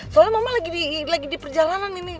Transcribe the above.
soalnya mama lagi di perjalanan nih nih